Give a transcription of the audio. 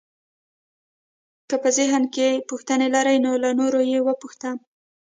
که په ذهن کې پوښتنې لرئ نو له نورو یې وپوښته.